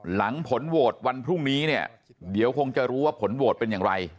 หลังผลโหวตวันพรุ่งนี้เนี่ยเดี๋ยวคงจะรู้ว่าผลโหวตเป็นอย่างไร